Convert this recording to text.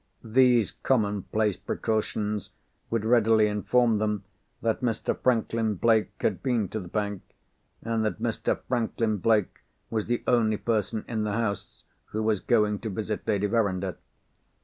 These commonplace precautions would readily inform them that Mr. Franklin Blake had been to the bank, and that Mr. Franklin Blake was the only person in the house who was going to visit Lady Verinder.